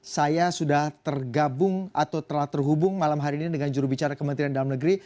saya sudah tergabung atau telah terhubung malam hari ini dengan jurubicara kementerian dalam negeri